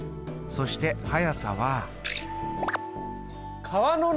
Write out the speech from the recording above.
そして速さは。